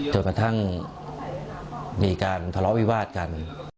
จนกระทั่งมีการทะเลาะวิวาสกัน